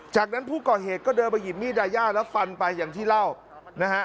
จากนั้นผู้ก่อเหตุก็เดินไปหยิบมีดดายาแล้วฟันไปอย่างที่เล่านะฮะ